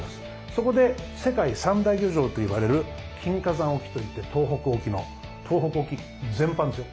そこで世界３大漁場といわれる金華山沖といって東北沖の東北沖全般ですよ。